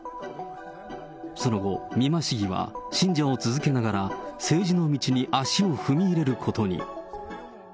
その後、美馬市議は信者を続けながら、政治の道に足を踏み入れることに。